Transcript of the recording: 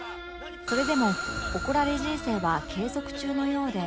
それでも怒られ人生は継続中のようで